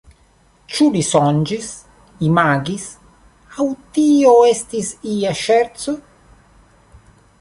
Ĉu li sonĝis, imagis aŭ tio estis ia ŝerco?